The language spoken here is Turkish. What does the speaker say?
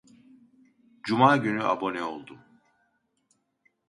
Cuma günü abone oldum